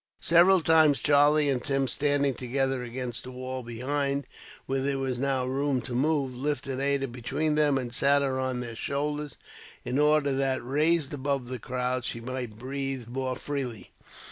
Several times Charlie and Tim, standing together against the wall behind, where there was now room to move, lifted Ada between them, and sat her on their shoulders in order that, raised above the crowd, she might breathe more freely.